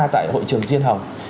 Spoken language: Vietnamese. tại hội trường diên hồng